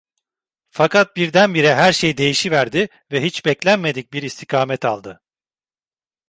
Fakat birdenbire her şey değişiverdi ve hiç beklenmedik bir istikamet aldı.